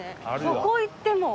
どこ行っても。